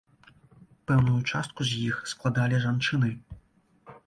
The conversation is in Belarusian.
Пэўную частку з іх складалі жанчыны.